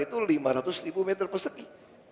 itu lima ratus ribu meter persegi